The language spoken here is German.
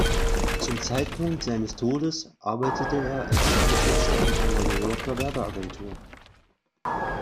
Zum Zeitpunkt seines Todes arbeitete er als Werbetexter in einer New Yorker Werbeagentur.